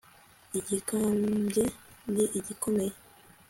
igikambye ni igikomeye